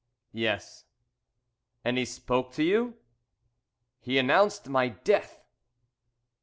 "Yes." "And he spoke to you?" "He announced my death!"